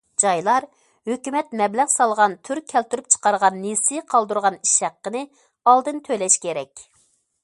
جايلار ھۆكۈمەت مەبلەغ سالغان تۈر كەلتۈرۈپ چىقارغان نېسى قالدۇرغان ئىش ھەققىنى ئالدىن تۆلەش كېرەك.